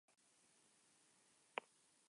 Es usado por la medicina tradicional indígena.